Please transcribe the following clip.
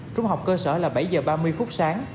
trung học cơ sở là bảy giờ ba mươi phút sáng